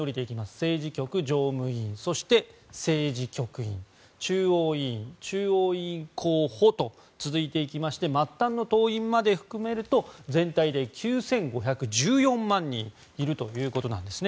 政治局常務委員そして、政治局員中央委員、中央委員候補と続いていきまして末端の党員まで含めると全体で９５１４万人いるということなんですね。